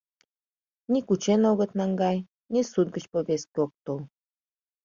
Ни кучен огыт наҥгай, ни суд гыч повестке ок тол.